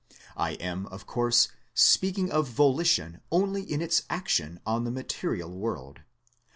I am, of course, speaking of volition only in its action on the material world.